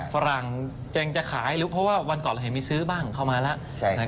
ฝรั่งเจงจะขายหรือเพราะว่าวันก่อนเราเห็นมีซื้อบ้างเข้ามาแล้ว